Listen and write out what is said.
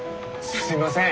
すいません。